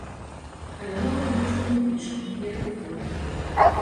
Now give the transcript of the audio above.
Але новага нічога не пішам, не рэпетуем.